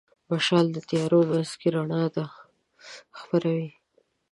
دا مشال د تیارو منځ کې رڼا خپروي.